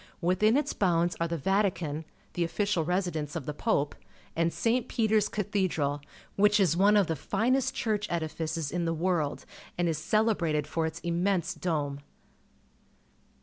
Within its bounds are the Vatican, the official residence of the Pope, and St. Peter's Cathedral, which is one of the finest church edifices in the world and is celebrated for its immense dome.